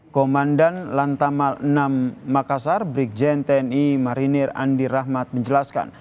komandan lantamal enam makassar brigjen tni marinir andi rahmat menjelaskan